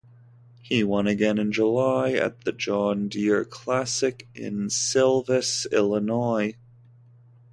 He won again in July at the John Deere Classic in Silvis, Illinois.